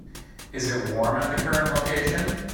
Is it warm at the current location?